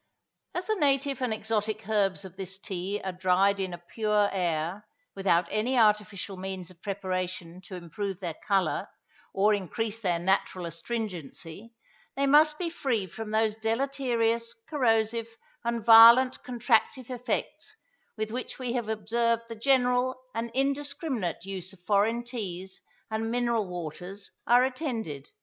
As the native and exotic herbs of this tea are dried in a pure air, without any artificial means of preparation to improve their colour or increase their natural astringency, they must be free from those deleterious, corrosive, and violent contractive effects with which we have observed the general and indiscriminate use of foreign teas and mineral waters are attended.